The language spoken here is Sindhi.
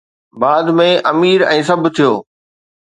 بعد ۾ امير ۽ سڀ ٿيو